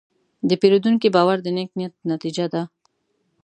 د پیرودونکي باور د نیک نیت نتیجه ده.